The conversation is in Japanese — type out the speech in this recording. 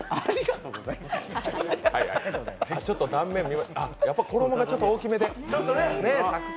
ちょっと断面やっぱ衣がちょっと大きめで。